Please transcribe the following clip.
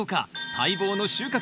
待望の収穫。